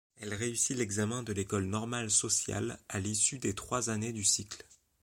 Elle réussit l'examen de l'École Normale Sociale à l'issue des trois années du cycle.